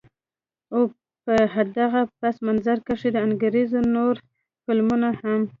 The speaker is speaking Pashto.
او په دغه پس منظر کښې د انګرېزي نور فلمونه هم